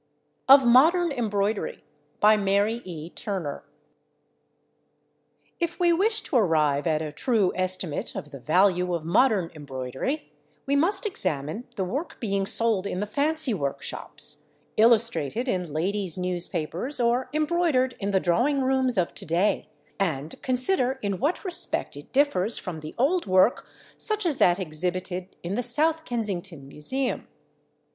OF MODERN EMBROIDERY If we wish to arrive at a true estimate of the value of modern embroidery, we must examine the work being sold in the fancy work shops, illustrated in ladies' newspapers or embroidered in the drawing rooms of to day, and consider in what respect it differs from the old work such as that exhibited in the South Kensington Museum.